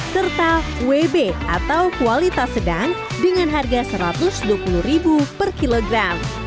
serta wb atau kualitas sedang dengan harga rp satu ratus dua puluh per kilogram